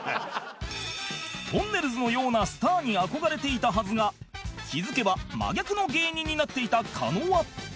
とんねるずのようなスターに憧れていたはずが気付けば真逆の芸人になっていた狩野は